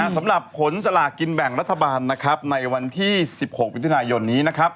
สำหรับผลศาลากินแบ่งรัฐบาลในวันที่๑๖วิธนาอิยนนี้